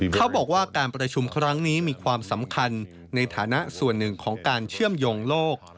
เขาบอกว่าการประชุมครั้งนี้มีความสำคัญในฐานะส่วนหนึ่งของการเชื่อมโยงโลก